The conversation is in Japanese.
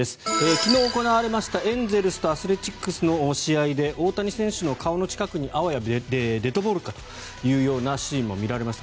昨日行われました、エンゼルスとアスレチックスの試合で大谷選手の顔の近くにあわやデッドボールかというようなシーンも見られました。